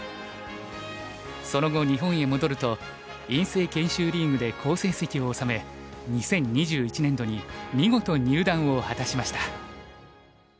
その後日本へ戻ると院生研修リーグで好成績を収め２０２１年度に見事入段を果たしました。